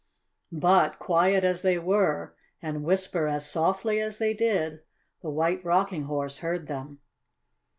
But, quiet as they were, and whisper as softly as they did, the White Rocking Horse heard them.